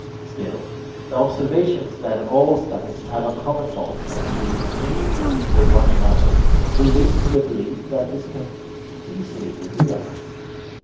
Still, the observation that all studies have a common bond of union and intercourse with one another, will lead to the belief that this can easily be realized.